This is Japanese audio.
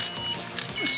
よし！